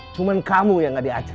cuma kamu yang tidak diajak